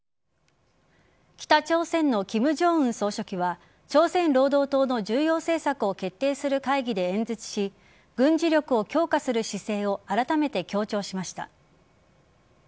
北朝鮮の金正恩総書記は朝鮮労働党の重要政策を決定する会議で演説し軍事力を強化する姿勢をあらためて強調しました。